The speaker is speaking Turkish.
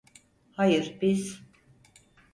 Hayır, biz…